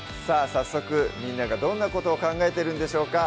早速みんながどんなことを考えてるんでしょうか